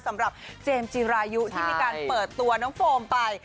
สำหรับเจมส์จิรายุที่มีการเปิดตัวน้องโฟมไป